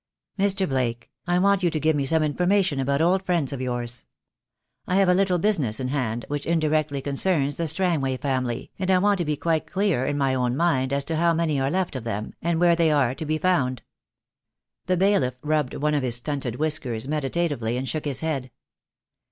"Mr. Blake, I want you to give me some information about old friends of yours. I have a little business in hand, which indirectly concerns the Strangway family, and I want to be quite clear in my own mind as to how many are left of them, and where they are to be found." The bailiff rubbed one of his stunted whiskers medi tatively, and shook his head.